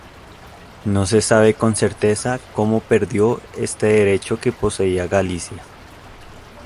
No se sabe con certeza cómo perdió este derecho que poseía Galicia.